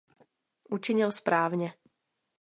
Učinil správně.